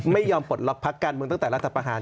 ปลดล็อกพักการเมืองตั้งแต่รัฐประหาร